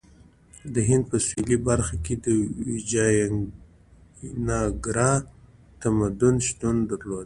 د هند په سویلي برخه کې ویجایاناګرا تمدن شتون درلود.